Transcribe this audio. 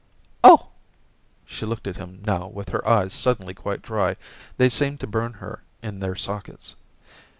* Oh !' She looked at him now with her eyes suddenly quite dry. They seemed to bum her in their sockets.